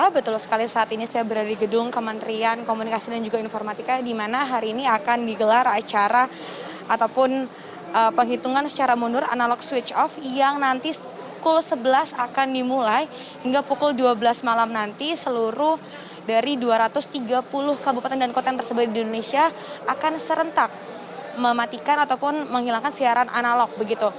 betul sekali saat ini saya berada di gedung kementerian komunikasi dan informatika dimana hari ini akan digelar acara ataupun penghitungan secara mundur analog switch off yang nanti pukul sebelas akan dimulai hingga pukul dua belas malam nanti seluruh dari dua ratus tiga puluh kabupaten dan kota yang tersebut di indonesia akan serentak mematikan ataupun menghilangkan siaran analog begitu